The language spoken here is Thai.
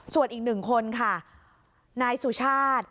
ส่วนอีกหนึ่งคนค่ะนายสุชาติ